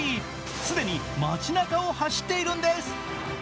既に街なかを走っているんです。